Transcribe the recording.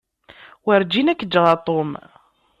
Werjin ad k-ǧǧeɣ a Tom.